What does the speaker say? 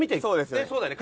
そうですよね。